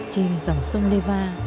trên dòng sông neva